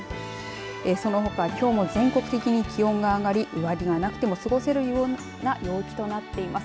そのほか、きょうも全国的に気温が上がり上着がなくても過ごせるような陽気となっています。